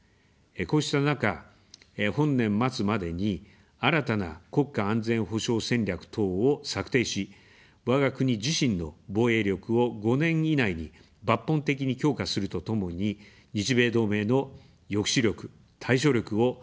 こうした中、本年末までに新たな国家安全保障戦略等を策定し、わが国自身の防衛力を５年以内に抜本的に強化するとともに、日米同盟の抑止力・対処力を一層強化します。